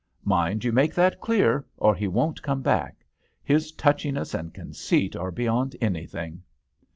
Mind you make that clear, or he won't come back. His touchiness and conceit are beyond anything."